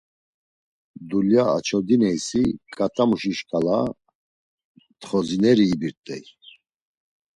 Dulya açodineysi, ǩatamuşi şǩala ntxozineri ibirt̆ey.